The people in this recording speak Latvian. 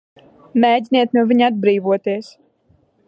Mēģiniet no viņa atbrīvoties!